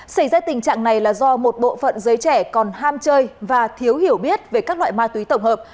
xảy ra tình trạng này là do một bộ phận giới trẻ còn ham chơi và thiếu hiểu biết về các loại ma túy tổng hợp